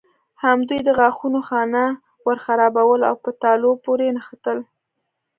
همدوی د غاښونو خانه ورخرابول او په تالو پورې نښتل.